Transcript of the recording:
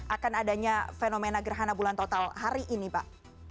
akan adanya fenomena gerhana bulan total hari ini pak